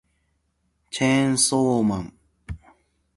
チェーンソーマン